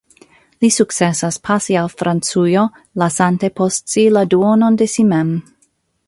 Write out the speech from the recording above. Li sukcesas pasi al Francujo, lasante post si la duonon de si mem.